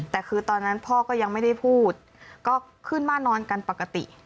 แต่คือตอนนั้นพ่อก็ยังไม่ได้พูดก็ขึ้นมานอนกันปกติ